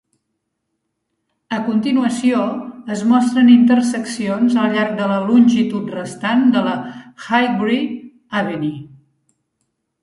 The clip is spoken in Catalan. A continuació es mostren interseccions al llarg de la longitud restant de la Highbury Avenue.